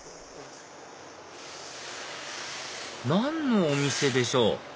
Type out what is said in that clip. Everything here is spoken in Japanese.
何のお店でしょう？